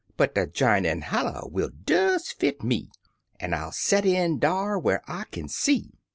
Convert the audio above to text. But de j'inin' holler will des fit me. An' I'll set in dar whar 1 kin see."